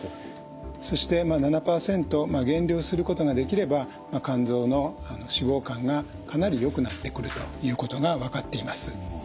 そしてまあ７％減量することができれば肝臓の脂肪肝がかなりよくなってくるということが分かっています。